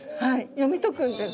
読み解くんです。